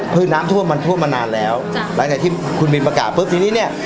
คือน้ำท่วมมันท่วมมานานแล้วหลังจากที่คุณบินประกาศปุ๊บทีนี้เนี่ย